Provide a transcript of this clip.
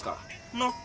なっ？